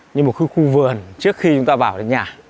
như một khu vườn trước khi chúng ta vào đến nhà